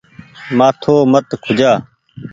مآٿو مت کوجآ۔